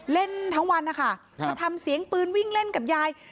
เล่นทั้งวันนะคะมาทำเสียงปืนวิ่งเล่นกับยาย